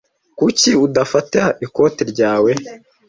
Kuki udafata ikote ryawe?